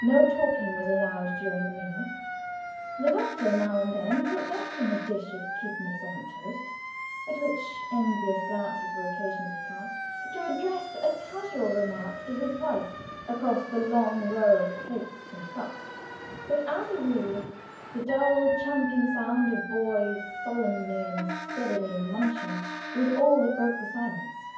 No talking was allowed during the meal. The Doctor now and then looked up from his dish of kidneys on toast (at which envious glances were occasionally cast) to address a casual remark to his wife across the long row of plates and cups, but, as a rule, the dull champing sound of boys solemnly and steadily munching was all that broke the silence.